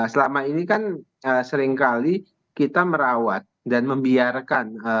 selama ini kan seringkali kita merawat dan membiarkan